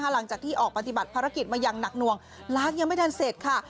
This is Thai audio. หลังจากที่ออกปฏิบัติภารกิจมาอย่างหนักหน่วงล้างยังไม่ทันเสร็จค่ะ